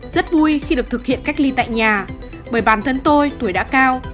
rất vui khi được thực hiện cách ly tại nhà bởi bản thân tôi tuổi đã cao